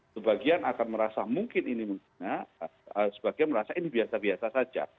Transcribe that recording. sebagian akan merasa mungkin ini mungkin sebagian merasa ini biasa biasa saja